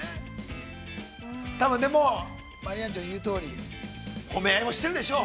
多分でも、鞠杏ちゃん、言うとおり、褒め合いもしてるでしょう。